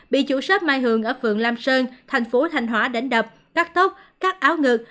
bị chủ sếp mai h ở phượng lam sơn thành phố thành hóa đánh đập cắt tóc cắt áo ngược